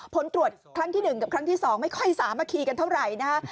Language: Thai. ผลตรวจครั้งที่๑กับครั้งที่๒ไม่ค่อยสามัคคีกันเท่าไหร่นะฮะ